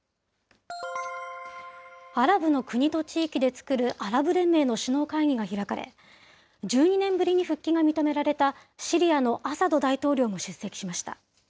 アラブの国と地域で作るアラブ連盟の首脳会議が開かれ、１２年ぶりに復帰が認められたシリアのアサド大統領も出席しました。